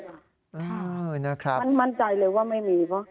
ค่ะนั่นแหละครับมันมั่นใจเลยว่าไม่มี